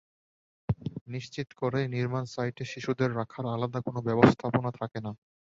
নিশ্চিত করেই নির্মাণ সাইটে শিশুদের রাখার আলাদা কোনো ব্যবস্থাপনা থাকে না।